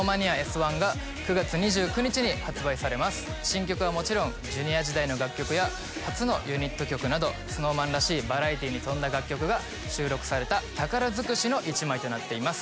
新曲はもちろんＪｒ．時代の楽曲や初のユニット曲などＳｎｏｗＭａｎらしいバラエティーに富んだ楽曲が収録された宝尽くしの一枚となっています。